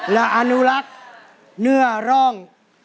และอนุรักษ์เนื้อร่อง